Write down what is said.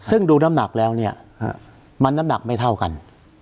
ซึ่งดูน้ำหนักแล้วเนี่ยมันน้ำหนักไม่เท่ากัน